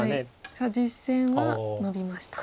さあ実戦はノビました。